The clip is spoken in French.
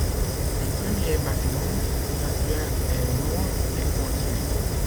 Un premier bâtiment, l’actuelle aile nord, est construit.